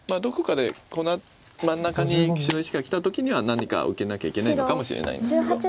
どこかでこの真ん中に白石がきた時には何か受けなきゃいけないのかもしれないんですけど。